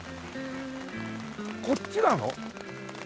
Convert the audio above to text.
こっちなの？